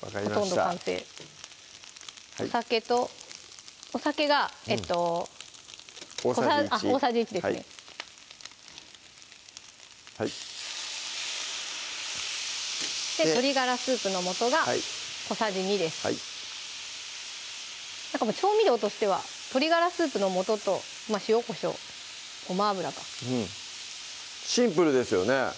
分かりましたお酒とお酒がえっと大さじ１大さじ１ですねはい鶏ガラスープの素が小さじ２ですはい調味料としては鶏ガラスープの素と塩・こしょう・ごま油かシンプルですよね